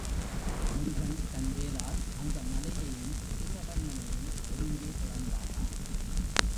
முருகன் தன் வேலால் அந்த மலையையும் சூரபன்மனையும் ஒருங்கே பிளந்தானாம்.